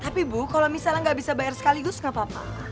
tapi bu kalau misalnya nggak bisa bayar sekaligus nggak apa apa